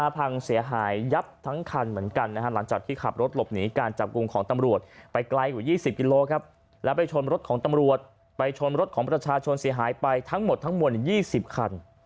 พังเสียหายยับทั้งคันเหมือนกันหลังจากที่ขับรถหลบหนีการจับกลุ่มของตำรวจไปไกลกว่า๒๐กิโลครับแล้วไปชนรถของตำรวจไปชนรถของประชาชนเสียหายไปทั้งหมดทั้งมวล๒๐คัน